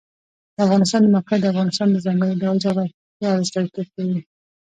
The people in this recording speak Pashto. د افغانستان د موقعیت د افغانستان د ځانګړي ډول جغرافیه استازیتوب کوي.